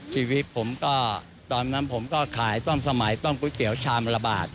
ชีวิตผมก็ตอนนั้นผมก็ขายซ่อมสมัยต้มก๋วยเตี๋ยวชามละบาท